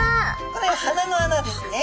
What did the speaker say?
これが鼻の穴ですね。